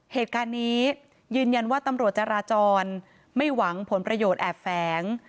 เหตุการณ์นี้ยืนยันว่าตำรวจจราจรไม่หวังผลประโยชน์แอบแฝง